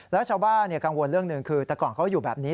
แล้วชาวบ้านกังวลเรื่องหนึ่งคือแต่ก่อนเขาอยู่แบบนี้